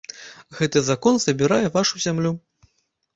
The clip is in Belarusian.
Гэты закон забірае вашу зямлю.